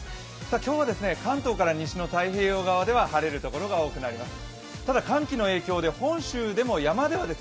今日は関東から西の太平洋側では晴れる所が多くなります。